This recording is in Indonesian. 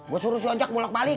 gue suruh si ojak bolak balik